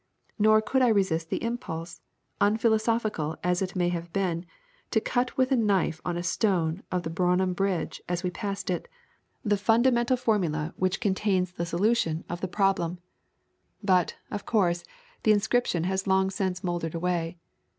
Nor could I resist the impulse unphilosophical as it may have been to cut with a knife on a stone of Brougham Bridge as we passed it, the fundamental formula which contains the SOLUTION of the PROBLEM, but, of course, the inscription has long since mouldered away.